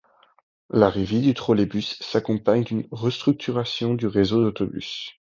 L'arrivée du trolleybus s'accompagne d'une restructuration du réseau d'autobus.